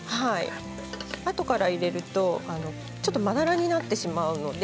あとから入れると、ちょっとまだらになってしまうので。